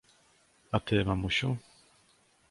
A ty, mamusiu?